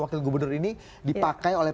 wakil gubernur ini dipakai oleh